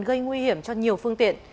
gây nguy hiểm cho nhiều phương tiện